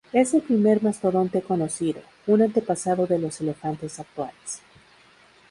Es el primer mastodonte conocido, un antepasado de los elefantes actuales.